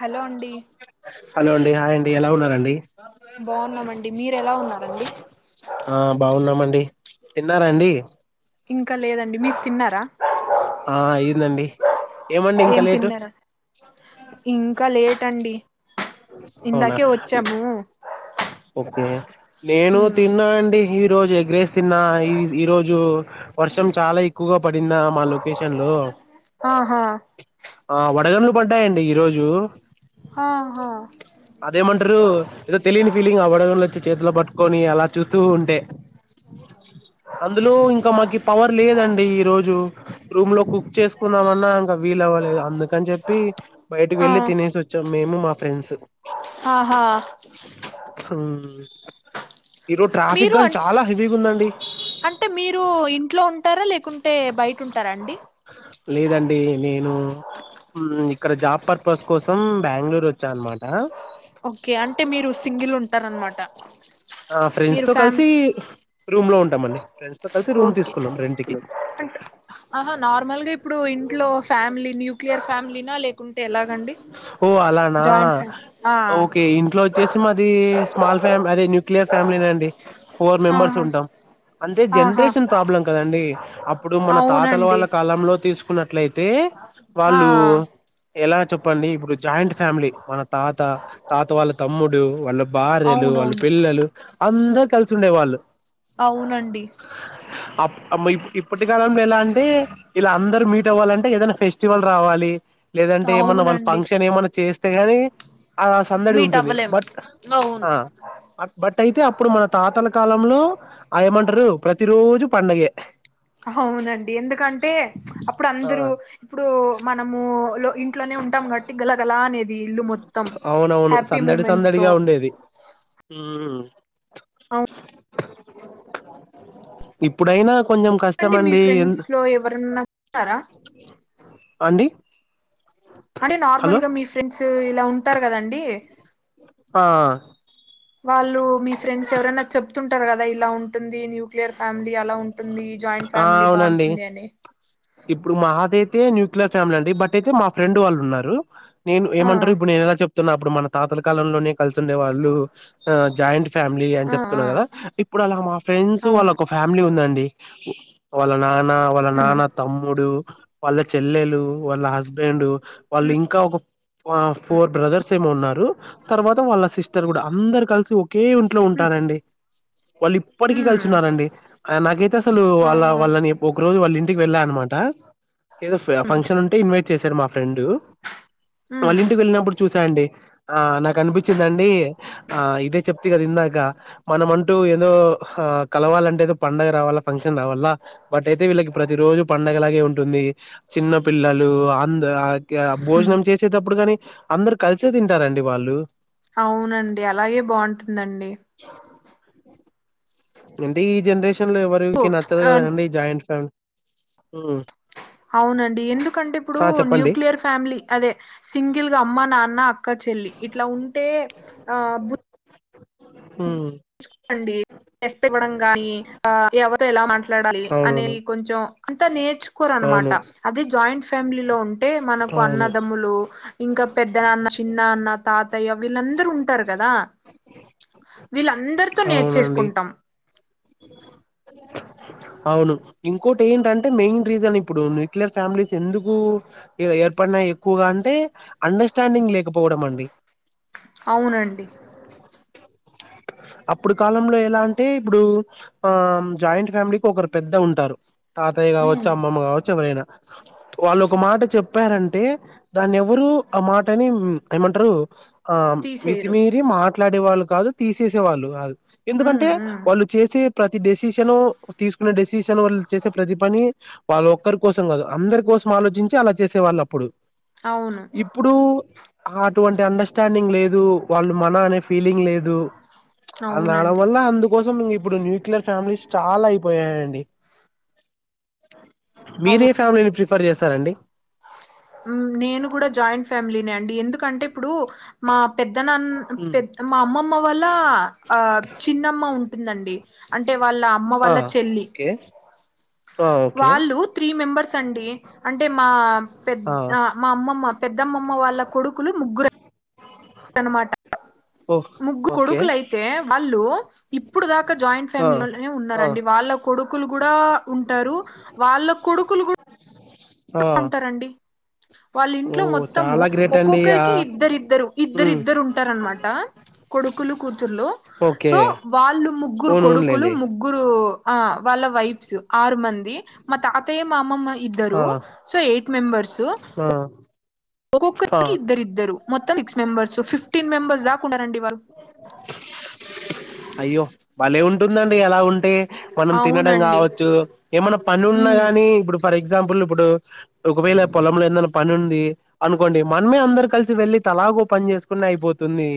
Hello అండి hello అండి hi అండి ఎలా ఉన్నడి అ మీర ఎలా ఉన్నారండి ఆ బాగున్నామండి తిన్నారా అండి ఇంకా లేదండి మీరు తిన్నారా ఆ అయిందండి ఏమండి ఇంకా ఏం లేటు తిన్నారా ఇంకా లేట్ అండి అవునా ఇందాకే వచ్చాము ే నేను తిన్నా అండి ఈ రోజు ఎగ్రేస్ చిన్న ఈ ఈ రోజు వర్షం చాలా ఎక్కువగా పడిందా మా లొకేషన్ లో ఆహా ఆ వడగంలు పంటాయండి ఈరోోజు ఆహా అదేమంటారు ఏదో తెలియని ఫీలింగ్ అవ్వడంలో వచ్చి చేతిలో పట్టుకొని అలా చూస్తూ ఉంటే అందులో ఇంకా మాకి పవర్ లేదండి ఈ రోజు రూమ్ లో కుక్ చేసుకుందామన్నా ఇంకా వీల వ్వాలదు అందుకని చెప్పి బయటకి ఆ వెళ్ళి తినేసి వచ్చాం మేము మా ఫ్రెండ్స్ ఆహా ఉ మీరు అం అంటే మీరు ఇంట్లో ఉంటారా లేకుం లేకుంటే బయట ఉంటారా అండి లేదండి నేను ఇక్కడ జాబ్ పర్పస్ కోసం బెంగళూరు వచ్చా అనమాట ఓకే అంటే మీరు సింగిల్ ఉంటారన్నమాట ఆ ఫ్రెండ్స్ తో కలిసి రూమ్ లో ఉంటాం అండి ఫ్రెండ్స్ తో కలిసి రూమ్ ఓకే తీసుకున్నాం రెంట్కి అంటే ఆహా నార్మల్గా ఇప్పుడు ఇంట్లో ఫ్యామిలీ న్యూక్లియర్ ఫ్యామిలీనా లేకుంటే ఎలాగండి ఓ అలానా జాయింట్ ఫ్యామిలీ ఆ ఓకే ఇంట్లో వచ్చేసి మాది స్మాల్ ఫ్యామి అదే న్యూక్లియర్ ఫ్యామిలీ అండి ఫోర్ మెంబర్స్ ఆహా ఉంటాం అంటే ఆహా జనరేషన్ ప్రాబ్లం కదండి అప్పుడు మన తాతల అవునండి వాళ్ళ కాలంలో తీసుకు కున్నట్లయితే ఆ వాళ్ళు ఎలా చెప్పండి ఇప్పుడు జాయింట్ ఫ్యామిలీ మన తాత తాత వాళ్ళ తమ్ముడు వాళ్ళ భార్యలు వాళ్ళ అవునవును పిల్లలు అందరు కలిసి ఉండే వాళ్ళు అవునండి అప్ ఇప్పటి కాలంలో ఎలా అంటే ఇలా అందరూ మీట్ అవ్వాలంటే ఏదైనా ఫెస్టివల్ రావాలి లేదంటే ఏమన్నా వాళ్ళు అవునండి ఫంక్షన్ ఏమన్నా చేస్తే గానీ అలా సందడి మీట్ ఉంటుంది అవ్వలేము బట్ అవును ఆ అట్ బట్ అయితే అప్పుడు మన తాతల కాలంలో ఏమంటారు ప్రతి రోజు పండగే అవునండి ఎందుకంటే అప్పుడు ఆ అందరూ ఇప్పుడు మనము లో ఇంట్లోనే ఉంటాం గట్టి గలగల అనేది ఇల్లు మొత్తం అవునవును హ్యాపీ మూమెంట్స్ తో ఉమ్మ్ ఇప్పుడైనా కొంచెం కష్టం అవునండి మీ అండి ఫ్రెండ్స్ ఎంత లో ఎవరన్నా ఉన్నారా అండి అంటే నార్మల్ హలో గా మీ ఫ్రెండ్స్ ఇలా ఉంటారు కదండి ఆ వాళ్ళు మీ ఫ్రెండ్స్ ఎవరైనా చెప్తూ ఉంటారు కదా ఇలా ఉంటుంది న్యూక్లియర్ ఫ్యామిలీ అలా ఉంటుంది జాయింట్ ఆ ఫ్యామిలీ అవునండి బాగుంటుంది అని ఇప్పుడు మాది అయితే న్యూక్లియర్ ఫ్యామిలీ అండి బట్ అయితే మా ఫ్రెండ్ వాళ్ళు ఉన్నారు నేను ఆ ఏమంటారు ఇప్పుడు నేను ఎలా చెప్తున్నా అప్పుడు మన తాతల కాలంలోనే కలిసి ఉండే వాళ్ళు ఆ జాయింట్ ఫ్యామిలీ అని ఆ ఆ చెప్తున్నా కదా ఇప్పుడు అలా మా ఫ్రెండ్స్ వాళ్ళ అవును ఒక ఫ్యామిలీ ఉందండి వాళ్ళ నాన్న వాళ్ళ ఉమ్ నాన్న తమ్ముడు వాళ్ళ చెల్లెలు వాళ్ళ హస్బెండ్ వాళ్ళు ఇంకా ఒక ఫోర్ బ్రదర్స్ ఏమో ఉన్నారు తర్వాత వాళ్ళ సిస్టర్ కూడా అందరు కలిసి ఒకే ఇంట్లో ఉమ్ ఉంటారండి వాళ్ళు ఇప్పటికిీ ఉమ్ కలిసి ఉన్నారండి ఆయన నాకైతే అసలు వాళ్ళ ఆహా వాళ్ళని ఒక రోజు వాళ్ళ ఇంటికి వెళ్ళాల అనమాట ఏదో ఫంక్షన్ ఉంటే ఇన్వైట్ చేశారు మా ఫ్రెండ్ వాళ్ళ ఉమ్ ఇంటికి వెళ్ళినప్పుడు చూసాండి ఆ నాకు అనిపించిందండి ఆ ఇదే చెప్తే కదా ఇందాక మనమంటూ ఏదో ఆ కలవాలంటే ఏదో పండగ రావాలా ఫంక్షన్ రావాలా బట్ అయితే వీళ్ళకి ప్రతి రోజు పండగలాగే ఉంటుంది చిన్న పిల్లలు అంద ఉమ్ భోజనం చేసేటప్పుడు కానీ అందరు కలిసి చుట్టు తింటారండి వాళ్ళు అవునండి అలాగే బాగుంటుందండి అంటే ఈ జనరేషన్ లో ఓ ఎవరికి నచ్చదు ఆ కదండి ఈ జాయింట్ ఫ్యామిలీ హ్మ్ అవునండి ఎందుకంటే ఇప్పుడు ఆ చెప్పండి. న్యూక్లియర్ ఫ్యామిలీ అదే సింగిల్ గా అమ్మ నాన్న అక్క చెల్లి ఇట్లా ఉంటే ఆ బు మ్మ్ అండి బస్ట్ ఇవ్వడం గాని ఎవరితో ఎలా మాట్లాడాలి అవునవును అనేది కొంచెం అంతా నేర్చుకోరనమాట అవును అదే జాయింట్ ఫ్యామిలీ లో ఉంటే మనకు అవును అన్నదమ్ములు ఇంకా పెద్ద నాన్న చిన్నాన్న తాతయ్య వీళ్ళందరూ ఉంటారు కదా వీళ్ళందరితో అవునండి. నేర్చేసుకుంటాం అవును ఇంకోటి ఏంటంటే మెయిన్ రీజన్ ఇప్పుడు న్యూక్లియర్ ఫ్యామిలీస్ ఎందుకు పన్న ఎక్కువగా అంటే అండర్స్టాండింగ్ లే అవునండి అప్పుడు కాలంలో ఎలా అంటే ఇప్పుడు ఆ జాయింట్ ఫ్యామిలీకి ఒకరు పెద్ద ఉంటారు తాతయ్య కావచ్చు ఉమ్ అమ్మమ్మ కావచ్చు ఎవరైనా వాళ్ళు ఒక మాట చెప్ చెప్పారంటే దాన్ని ఎవరు ఆ మాటని ఏమంటారు ఆ తీసేయరు మితిమీరి మాట్లాడే వాళ్ళు కాదు తీసేసే వాళ్ళు కాదు ఉమ్ ఎందుకంటే ఉమ్ వాళ్ళు చేసే ప్రతి డెసిషను తీసుకునే డెసిషన్ వాళ్ళు చేసే ప్రతి పని వాళ్ళ ఒక్కరి కోసం కాదు అందరి కోసం ఆలోచించి అలా చేసే వాళ్ళు అప్పుడు అవును ఇప్పుడు అ అటువంటి అండ స్టాడింగ్ లేదు వాళ్ళు మన అనే ఫీలింగ్ లేదు అళ అవునండి వల్ల అందుకోసం ఇప్ ప్పుడు న్యూక్లియర్ ఫ్యామిలీస్ చాలా అయిపోయాయండి అవును మీరే ఫ్యామిలీని ప్రిఫర్ చేస్తారండి నేను కూడా జాయింట్ ఫ్యామిలీనే అండి ఎందుకంటే ఇప్పుడు మా పెద్ ద్దనాన్ ఉమ్. పె మా అమ్మమ్మ వాళ్ళ ఆ చిన్నమ్మ ఉంటుందండి అంటే వాళ్ ళ్ళ అమ్మ ఆ వాళ్ళ చెల్లి ఓకే ఆ ఓకే వాళ్ళు త్రీ మెంబర్స్ అండి అంటే మా ఆ పెద్ద మా అమ్మమ్మ పెద్దమ్మమ్మ వాళ్ళ కొడుకులు ముగ్గురం అన్నమాట ఓ ముగ్గురు ఓకే కొడుకులు అయితే వాళ్ళు ఇప్పుడు దాకా జాయింట్ ఆ ఫ్యామిలీనే ఆ ఉన్నారండి వాళ్ళ కో కొడుకులు కూడా ఉంటారు వాళ్ళ కొడుకులు కూ ఆ డా ఉంటారండి వాళ్ళ ఓ ఇంట్లో మొత్తము చాలా గ్రేట్ అండి ఆ ఒక్కొక్కరికి ఇద్దరిద్దరు ఉమ్ ఇద్దరిద్దరు ఉంటారనమాట కొడుకులు కూతుర్లు ఓకే సో వాళ్ళు ముగ్గురు ఓను కొడుకులు అవునులేండి ముగ్గురు ఆ వాళ్ళ వైఫ్ స్ ఆరు మంది మా తాతయ్య మామమ్మ ఇద్దరు ఆ సో ఎయిట్ మెంబర్సు ఆ ఆ ఒక్కొక్కరి ఇద్దరిద్దరు మొత్తం సిక్స్ మెంబర్స్ ఫిఫ్టీన్ మెంబర్స్ దాకున్నరండి వాళ్ అయ్యో భలే ఉంటుందండి అలా ఉంటే మనం తినడం అవునండి కావచ్చు ఏమై పని ఉన్నా ఉమ్ కాగానీ ఇప్పుడు ఫర్ ఎగ్జా గ్జాంపుల్ ఇప్పుడు ఒకవేళ పొలంలో ఎదైనా పనిం ది అనుకోండి మనమే అందరు కలిసి వెళ్ళి తలా ఒక పని చేసుకన్న అయిపోతుంది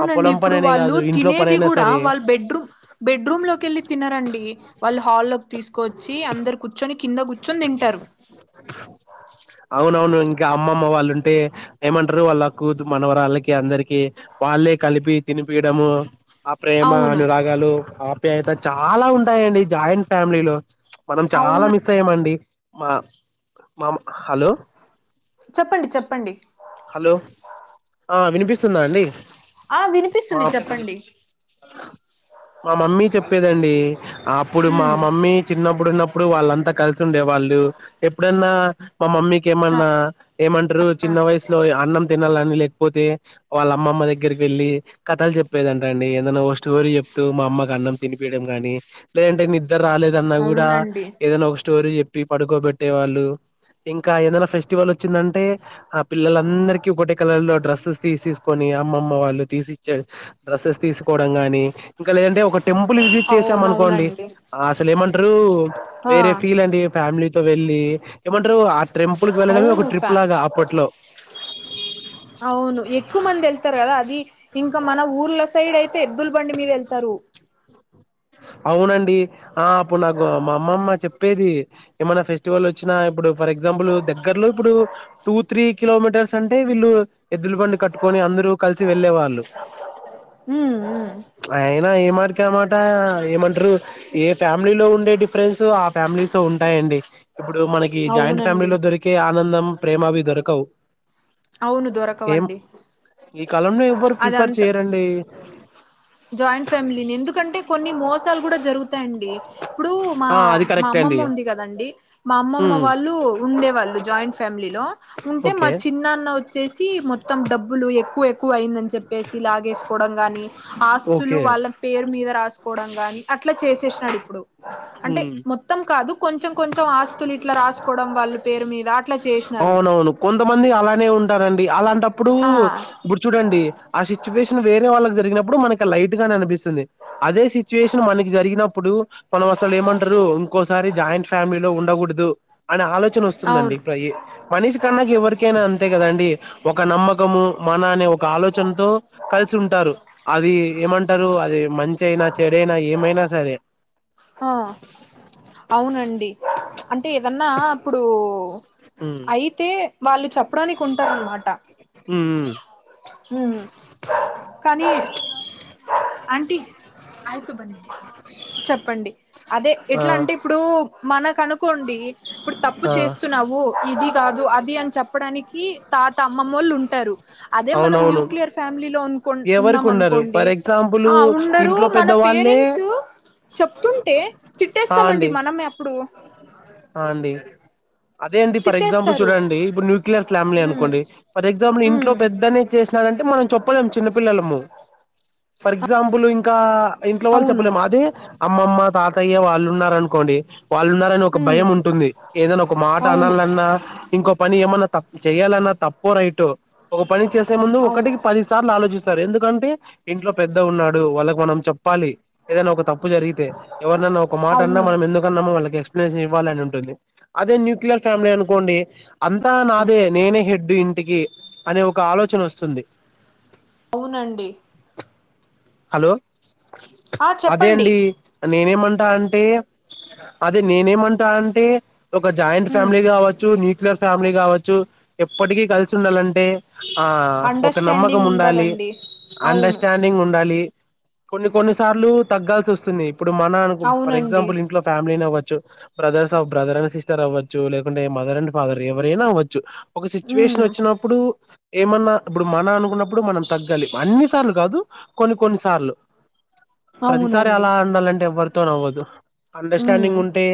ఆ పొలం ఇప్పుడు పననే వాళ్ళు కాదు ఇంట్లో తినేది పనైనా కూడా సరే వాళ్ళు బెడ్రూమ్ బెడ్రూమ్ లోకి వెళ్ళి తినారండి వాళ్ళు హాల్లోకి తీసుకోచ్చి అందరు కూర్చొని కింద కూర్చొని తింటారు అవునవును ఇంకా అమ్మమ్మ వాళ్ళు ఉంటే ఏమంటారు వాళ్ళు కూ మనవరళ్ళకి అందరికి వాళ్ళే కలిపి తినిపియడము ఆ ప్రేమ అవును అనురాగాలు ఆప్యాయత చాలా ఉంటాయండి జాయింట్ ఫ్యామిలీలో మనం చాలా అవును మిస్ అయ్యామండి మా మా హలో చెప్పండి చెప్పండి హలో ఆ వినిపిస్తుందా అండి ఆ మా వినిపిస్తుంది చెప్పండి మా మమ్మీ చెప్ ప్పేదండి అప్పుడు మా ఉమ్ మమ్మీ చిన్న ప్పుడు ఉన్నప్పుడు వాళ్ళంతా కలిసి ఉండే వాళ్ళు ఎప్పుడన్నా మా మమ్మీకి ఏమన్నా ఏమంటారు చిన్న వయస్ అన్నం తినాలని లేకపోతే వాళ్ళ అమ్మమ్మ దగ్గరికి వెళ్ళి కథాలు చెప్పేదంట అండి ఏదనా ఒ స్టో రి చెప్తూ మా అమ్మకి అన్నం తినిపియడం కానీ లేదంటే ని ద్దరాలేదన్నా కూడా అవునండి ఏదనా ఒక స్టోరీ చెప్ ప్పి పడుకోబెట్టే వాళ్ళు ఇంకా ఏదైనా ఫెస్టివల్ వచ్చిందంటే అప్ పిల్లలందరికీ ఒకటే కలర్ లో డ్రస్సెస్ తీసేసుకొని అమ్మమ్మ వాళ్ళు తీసిచ్చే డ్రెస్సెస్ తీసు కోవడం గాని ఇంకా లేదంటే ఒక టెంపుల్ విజిట్ చేసాం అనుకోండి అవునవునండి అసలు ఏమంటరు ఆ వేరే ఫీల్ అండి ఫ్యామిలీ వెళ్ళి ఏమంట్రు ఆ ట్రెంపుల్ కి వెళ్ళడమే ఒక అవును ఫ్యా ట్రిప్ లాగా అప్పట్లో అవును ఎక్కువ మంది వెళ్తారు కదా అది ఇంకా మన ఊ ఊర్ల సైడ్ అయితే ఎద్దుల బండి మీద వెళ్తారు అవునండి ఆ అప్పుడు నాకు మా అమ్మమ్మ చెప్పేది ఏమైనా ఫెస్టివల్ వచ్చినా ఇప్పుడు ఫర్ ఎగ్జాంపుల్ దగ్గరలో ఇప్పుడు టూ త్రీ కిలోమీటర్స్ అంటే వీళ్ళు ఎద్దులు బండి కట్టుకొని అం దరూ కలిసి వెళ్ళేవాళ్ళు ఉమ్ ఉమ్ ప్చ్ అయినా ఏమాటకామాట ఏమంట్రు ఏ ఫ్యామిలీ లో ఉండే డిఫరెన్స్ ఆ ఫ్యామిలీస్ లో ఉంటాయండి ఇప్పుడు మనకి జాయింట్ అవునండి ఫ్యామిలీలో దొరికే ఆనందం ప్రేమ అవి దొరకవు అవును ఏం దొరకవండి ఈ కాలంలో ఎవ్వరు ప్రిఫర్ అదంతా చేయరండి జాయింట్ ఫ్యామిలీని ఎందుకంటే కొన్ని మోస్ సాలు కూడా జరుగుతాయండి ఇప్పుడు మా ఆ అది మా కరెక్టే అండి అమ్మమ్మ ఉంది కదండి మా అమ్మమ్మ ఉమ్, వాళ్ళు ఉండే వాళ్ళు జాయింట్ ఫ్యామిలీలో ఉంటే మా ఓకే చిన్నాన్న వచ్చేసి మొత్తం డబ్బులు ఎక్కువ ఎక్కువ అయిందని చెప్పేసి లాగేస్ కోడం ఆస్తులు ఓకే వాళ్ళ పేరు మీద రాసుకోవడం గాని అట్లా చేసేసినాడు ఇప్పుడు అంటే ఉమ్. మొత్తం కాదు కొంచెం కొంచెం ఆస్తులు ఇట్లా రాసుకోవడం వాళ్ళు పేరు మీద అట్లా చేసినా అవును అవును కొంతమంది అలానే ఉంటారండి అలాం టప్పుడు ఆ ఇప్పుడు చూడండి ఆ సిచ్యువేషన్ వేరే వాళ్ళకి జరిగి నప్పుడు మనకి లైట్ గానే అనిపిస్తుంది అదే సిచ్యువేషన్ మనకి జరిగినప్పుడు మనం అసలు ఏమంటరు ఇంకోసారి జాయింట్ ఫ్యామిలీలో ఉండకూడుదు అనే ఆలోచన వస్తుందండి అవును [unintelligible] మనీషికన్నాక ఎవరికైనా అంతే కదండి ఒక నమ్మ మన అనే ఒక ఆలోచనతో కలిసి ఉంటారు, అది ఏమంటారు అది మంచి అయినా చెడైనా ఏమైనా సరే హా అవునండి ప్చ్ అంటే ఏదన్నా అప్పుడు హ్మ్. అయితే వాళ్ళు చెప్పడానికి ఉంటారు అనమాట హ్మ్. హ్మ్. హ్మ్ కానీ చెప్ ప్పండి అదే ఆ! ఎట్లా అంటే ఇప్పుడు మనకు అనుకోండి ఇప్పుడు తప్పు ఆ! చేస్తున్నావు ఇది కాదు అది అని చెప్పడానికి తాత అమ్మమ్మోళ్ళు ఉంటారు అదే మనం అవునవును. న్యూక్లియర్ ఫ్యామిలీలో కొన్ ఎవరికి ఉన్నాం ఉండరు అనుకోండి ఫర్ ఎగ్జాంపుల్ ఆ ఉండరు ఇంట్లో మన పెద్దవాళ్ళే పేరెంట్స్ చెప్తుంటే ఆ తిట్టేస్తామండి అండి మనమే అప్పుడు అదేండి ఫర్ ఎగ్జాంపుల్ తిట్టేస్తారు చూడండి ఇప్పుడు న్యూక్లియర్ ఫ్యామిలీ ఉమ్ అనుకోండి ఫర్ ఎగ్జాంపుల్ ఇంట్లో ఉమ్ పెద్దనే చేస్ నారంటే మనం చెప్పలేం చిన్నపిల్లలము ఫర్ ఎగ్జాంపుల్ ఇంకా ఇంట్లో వాళ్ళు అవును చెప్పలేము అదే అమ్మమ్మ తాతయ్య వాళ్ళు ఉన్నారనుకోండి వాళ్ళు ఉన్నారని ఒక ఉమ్ భయం ఉంటుంది ఏదైనా ఒక మాట అవును అనాలన్నా ఇంకొ పని ఏమన్నా తప్ చేయాలన్నా తప్పో రైటో ఒక పని చేసే ముందు అవును ఒకటికి పదిసా ర్లు ఆలోచిస్తారు ఎందుకంటే ఇంట్లో పెద్ద ఉన్నాడు వాళ్ళకి మనం చెప్పాలి, ఏదైనా ఒక తప్పు జరిగితే ఎవరినన్నా ఒక మాట అన్నా అవును మనం ఎందుకన్నామో వాళ్ళకు ఎక్స్ ప్లేషన్ ఇవ్వాలని ఉంటుంది అదే న్యూక్లియర్ ఫ్యామిలీ అనుకోండి అంతా నాదే నేనే హెడ్ ఇం టికి అనే ఒక ఆలోచన వస్తుంది అవునండి హలో ఆ అదే చెప్పండి అండి నేనేమంటా అంటే అదే నేనేమంటా అంటే ఒక జాయింట్ ఉమ్ ఫ్యామిలీ కావచ్చు, న్యూక్లియర్ ఫ్యామిలీ కావచ్చు, ఎప్పటికీ కలిసి ఉండాలంటే. ఆ ఒక నమ్మకం అండర్స్టాండింగ్ ఉండాలి ఉండాలండి అవును అండర్స్టాండింగ్ ఉన్ కొన్ని కొన్ని సార్లు తగ్గాల్సి వస్తుంది ఇప్పుడు మన ఫర్ అవునండి ఎగ్జాంపుల్ ఇంట్లో ఫ్యామిలీనే అవ్వచ్చు చ్చు బ్రదర్స్ బ్రదర్ అండ్ సిస్టర్ అవ్వచ్చు లేకుంటే మదర్ అండ్ ఫాదర్ ఎవరైనా అవ్వచ్చు ఒక సిచ్యువేషన్ ఉమ్ వచ్చినప్పుడు ఏమన్నా ఇప్పుడు మన అనుకున్నప్పుడు మనం తగ్గాలి అన్ని సార్లు కాదు కొన్ని కొన్ని సార్లు ప్రతిసారి అవునండి అలా ఉండాలంటే ఎవ్వరితోను అవ్వదు ఉమ్ అండర్స్టాండింగ్ ఉంటే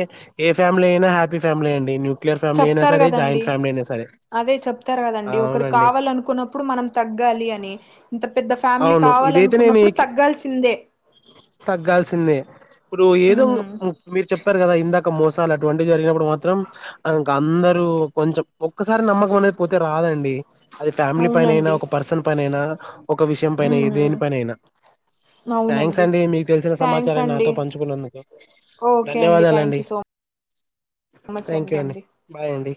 ఏ ఫ్యామిలీ అయినా హ్యాపీ ఫ్యామిలీ అండి న్యూక్లియర్ ఫ్యామిలీ అయినా చెప్తారు సరే కదండి జాయిట్ ఫ్యామిలీ అయినా సరే అదే చెప్తారు కదండి ఒకరు అవునండి కావాలనుకున్నప్పుడు మనం తగ్గాలి అని ఇంత పెద్ద ఫ్యామిలీ అవును ఇదైతే నేను కావాలనుకున్నప్పుడు ఏకి తగ్గాల్సిందే తగ్గాల్సిందే ఇప్పుడు ఏదో ఉమ్ మీరు చెప్పారు కదా ఇందాక మోసాలు అటువంటివి జరిగినప్పుడు మాత్రం ఇంకా అందరు కొంచెం ఒక్క సారి నమ్మకం అనేది పోతే రాదండి అది ఫ్యామిలీ పైనైనా అవునండి ఒక పర్సన్ పైనైనా ఒక విషయం పైన ఉమ్ దేని పైన అయినా థ్యాంక్స్ అవునండి అండి మీకు తెలిసిన థ్యాంక్స్ సమాచారాన్ని అండి నాతో పంచుకున్నందుకు ఓకే అండి థ్యాంక్యూ సో మచ్ థ్యాంక్యూ అండి బాయ్ అండి